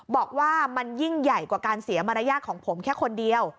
บอกว่ามันยิ่งใหญ่กว่าการเสียมารยาทของผมแค่คนเดียว